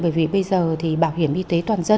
bởi vì bây giờ thì bảo hiểm y tế toàn dân